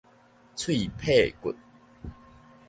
喙䫌骨